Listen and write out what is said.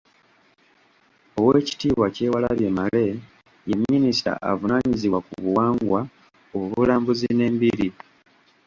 Oweekitiibwa Kyewalabye Male ye minisita avunaanyizibwa ku Buwangwa, Obulambuzi n’Embiri.